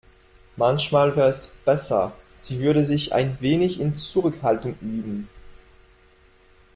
Manchmal wäre es besser, sie würde sich ein wenig in Zurückhaltung üben.